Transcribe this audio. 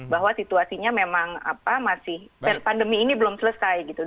bahwa situasinya memang apa masih pandemi ini belum selesai gitu